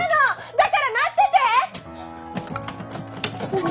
だから待っててッ！